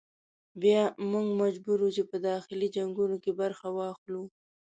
بیا موږ مجبور وو چې په داخلي جنګونو کې برخه واخلو.